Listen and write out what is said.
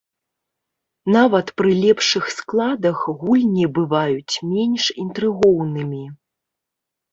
Нават пры лепшых складах гульні бываюць менш інтрыгоўнымі.